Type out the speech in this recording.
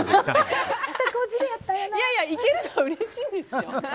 いやいや行けるとうれしいんですよ。